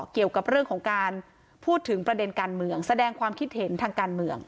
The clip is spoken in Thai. เกี่ยวกับเรื่องของการพูดถึงประเด็นการเมืองแสดงความคิดเห็นทางการเมือง